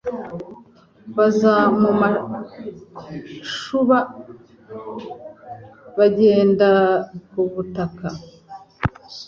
Baza mu mashuba bagenda ku butaka